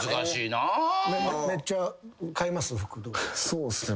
そうっすね